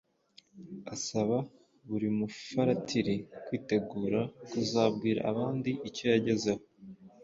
asaba buri mufaratiri kwitegura kuzabwira abandi icyo yagezeho.